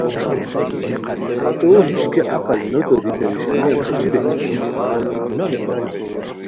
ہتو ہیش کیہ عقل نو توری پریشانیہ کوسی بہچیتائے